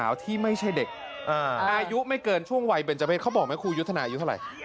อายุไม่เกินช่วงวัยเป็นเจ้าเพศเขาบอกมั้ยครูยุทธนาอยู่เท่าไหร่